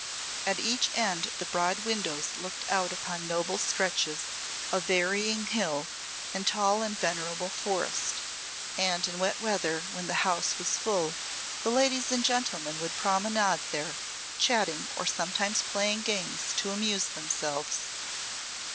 At each end the broad windows looked out upon noble stretches of varying hill and tall and venerable forest, and in wet weather, when the house was full the ladies and gentlemen would promenade there, chatting or sometimes playing games to amuse themselves.